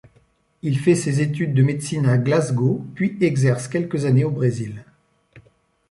Il fait ses études de médecine à Glasgow, puis exerce quelques années au Brésil.